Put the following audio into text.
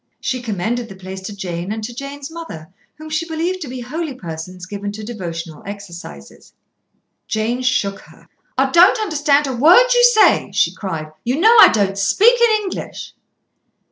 She commended the place to Jane, and to Jane's mother, whom she believed to be holy persons given to devotional exercises. Jane shook her. "I don't understand a word you say," she cried. "You know I don't. Speak in English."